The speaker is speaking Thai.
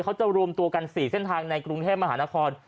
เขาจะรวมตัวกัน๔เส้นทางในกรุงเทพมหานคร